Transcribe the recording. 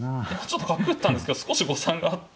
ちょっと角打ったんですけど少し誤算があって。